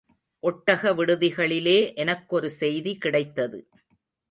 ஒட்டக விடுதிகளிலே எனக்கொரு செய்தி கிடைத்தது.